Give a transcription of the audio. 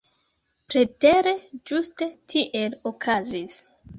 Pretere, ĝuste tiel okazis.